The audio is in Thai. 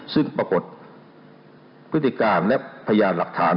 ซึ่งปรากฏพฤติการและพยานหลักฐาน